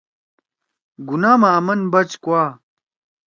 گناہ ما آمن بچ کوا۔